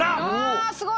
あすごい。